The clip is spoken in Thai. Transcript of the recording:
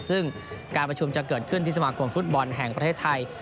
ซึ่งการประชุมจะเกิดขึ้นที่สมาคมฟุตบอลแห่งประเทศไทย